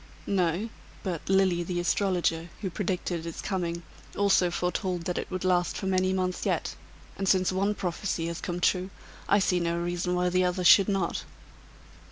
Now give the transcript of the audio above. "No. But Lilly, the astrologer, who predicted its coming, also foretold that it would last for many months yet; and since one prophecy has come true, I see no reason why the other should not."